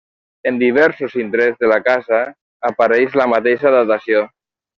En diversos indrets de la casa apareix la mateixa datació.